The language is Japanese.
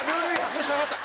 よしわかった！